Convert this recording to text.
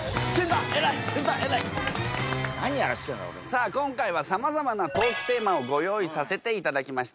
さあ今回はさまざまなトークテーマをご用意させていただきました。